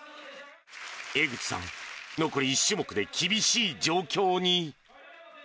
江口さん、残り１種目で厳しい状況に。